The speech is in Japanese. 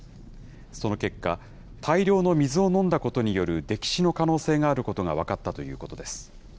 その結果、大量の水を飲んだことによる溺死の可能性があることが分かったということです。